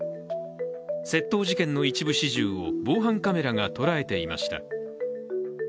窃盗事件の一部始終を防犯カメラが捉えていました。